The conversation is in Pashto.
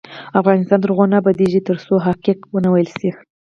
افغانستان تر هغو نه ابادیږي، ترڅو حقایق ونه ویل شي.